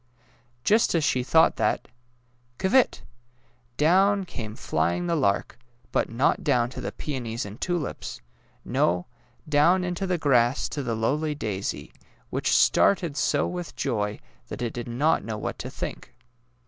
" Just as she thought that —'' keevit! '^ Down came flying the lark, but not down to the peonies and tulips — no, down into the grass to the lowly daisy, which started 192 DAISY AND SUNFLOWER so with joy that it did not know what to think.